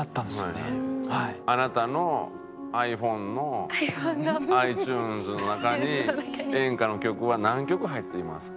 あなたのｉＰｈｏｎｅのｉＴｕｎｅｓの中に演歌の曲は何曲入っていますか？